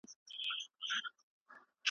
ناروغ ته اجازه مه ورکوئ چې سړه غوښه وخوري.